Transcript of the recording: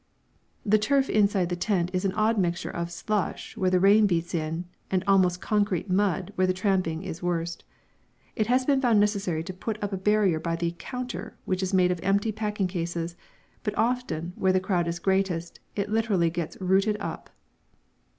The turf inside the tent is an odd mixture of slush where the rain beats in, and almost concrete mud where the trampling is worst. It has been found necessary to put up a barrier by the "counter," which is made of empty packing cases, but often, where the crowd is greatest, it literally gets rooted up.